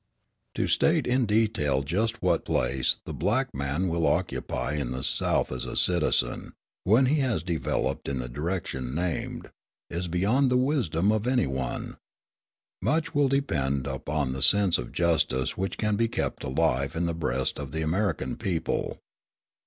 To state in detail just what place the black man will occupy in the South as a citizen, when he has developed in the direction named, is beyond the wisdom of any one. Much will depend upon the sense of justice which can be kept alive in the breast of the American people.